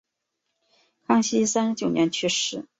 康熙三十九年去世。